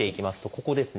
ここですね。